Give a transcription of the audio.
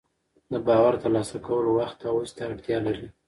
د باور ترلاسه کول وخت او هڅې ته اړتیا لري.